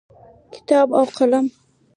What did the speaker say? کتاب او قلم